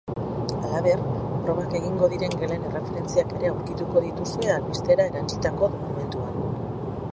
Halaber, probak egingo diren gelen erreferentziak ere aurkitu dituzue albistera erantsitako dokumentuan.